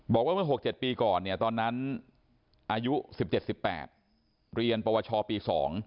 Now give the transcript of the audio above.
บอกว่าเมื่อ๖๗ปีก่อนเนี่ยตอนนั้นอายุ๑๗๑๘เรียนปวชปี๒